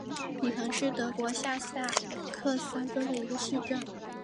比彭是德国下萨克森州的一个市镇。